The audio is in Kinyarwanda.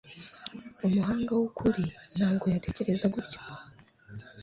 Umuhanga wukuri ntabwo yatekereza gutya